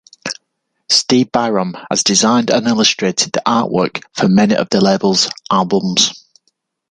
Steve Byram has designed and illustrated the artwork for many of the label's albums.